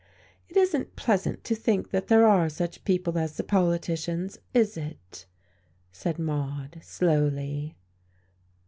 "It isn't pleasant to think that there are such people as the politicians, is it?" said Maude, slowly.